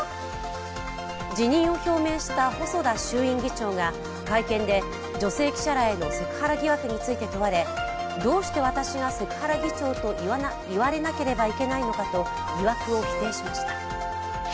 辞任を表明した細田衆院議長が会見で女性記者らへのセクハラ疑惑について問われどうして私がセクハラ議長と言われなければいけないのかと疑惑を否定しました。